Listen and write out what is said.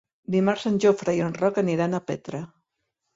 Dimarts en Jofre i en Roc aniran a Petra.